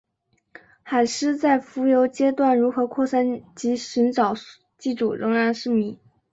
海虱在浮游阶段如何扩散及寻找寄主仍然是迷。